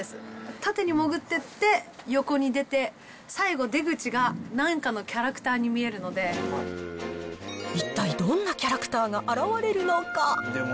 縦に潜ってって、横に出て、最後、出口がなんかのキャラクターに一体どんなキャラクターが現れるのか。